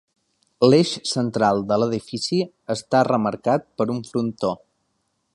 L'eix central de l'edifici està remarcat per un frontó.